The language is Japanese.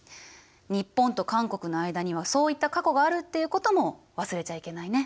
日本と韓国の間にはそういった過去があるっていうことも忘れちゃいけないね。